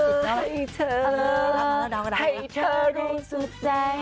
อยากทำเมื่อให้เธอให้เธอรู้สุดใจ